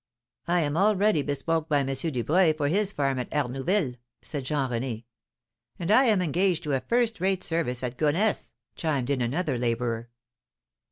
'" "I am already bespoke by M. Dubreuil for his farm at Arnouville," said Jean René. "And I am engaged to a first rate service at Gonesse," chimed in another labourer.